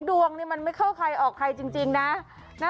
ดวงนี่มันไม่เข้าใครออกใครจริงนะ